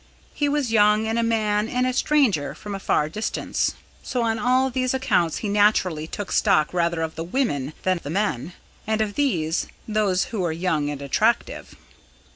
He was young and a man and a stranger from a far distance; so on all these accounts he naturally took stock rather of the women than of the men, and of these, those who were young and attractive.